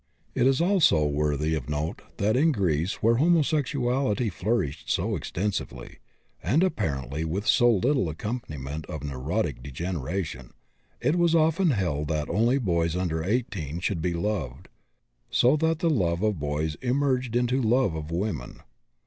It is also worthy of note that in Greece, where homosexuality flourished so extensively, and apparently with so little accompaniment of neurotic degeneration, it was often held that only boys under 18 should be loved; so that the love of boys merged into love of women.